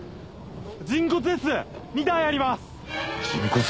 人骨です！